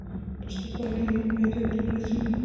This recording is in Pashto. ترڅو پایله یې یوه پایداره ډیموکراسي وي.